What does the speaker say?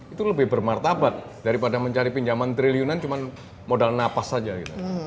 itu lebih bermartabat daripada mencari pinjaman triliunan cuma modal napas saja gitu